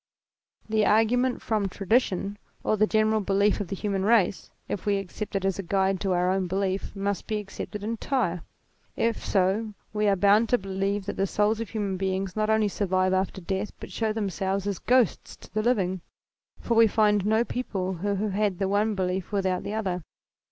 The argument from tradition or the general belief of the human race, if we accept it as a guide to our own belief, must be accepted entire : if so we are bound to believe that the souls of human beings not only survive after death but show themselves as ghosts to the living; for we find no people who have had the one belief without the other.